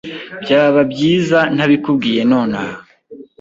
Byaba byiza ntabikubwiye nonaha.